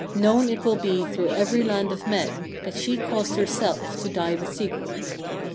Known it will be through every land of men, that she caused herself to die with Sigurd.